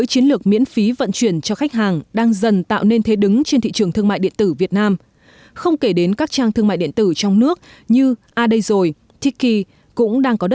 thì muốn phát triển trên thị trường marketing online